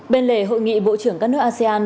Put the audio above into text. bên lề hội nghị bộ trưởng các nước asean